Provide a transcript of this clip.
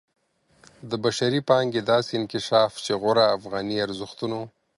د بشري پانګې داسې انکشاف چې غوره افغاني ارزښتونو